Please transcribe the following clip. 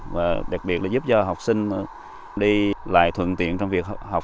và đặc biệt là giúp cho học sinh đi lại thuận tiện trong việc học